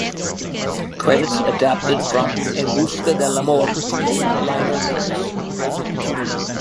Credits adapted from "En Busca del Amor" liner notes.